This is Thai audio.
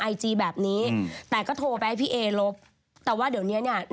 พี่หนิงมาบ่อยนะคะชอบเห็นมั้ยดูมีสาระหน่อย